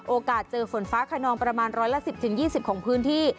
โอกาสเจอฝนฟ้าขนองประมาณ๑๑๐๒๐ของพื้นที่